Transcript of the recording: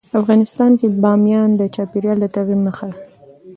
افغانستان کې بامیان د چاپېریال د تغیر نښه ده.